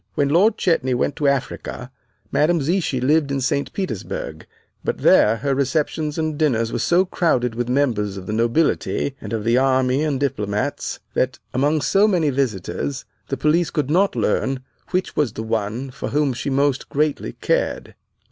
When Lord Chetney went to Africa, Madame Zichy lived in St. Petersburg; but there her receptions and dinners were so crowded with members of the nobility and of the army and diplomats, that among so many visitors the police could not learn which was the one for whom she most greatly cared.